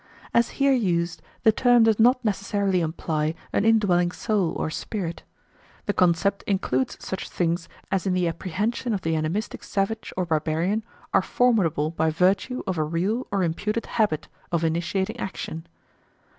As here used the term does not necessarily imply an indwelling soul or spirit. The concept includes such things as in the apprehension of the animistic savage or barbarian are formidable by virtue of a real or imputed habit of initiating action.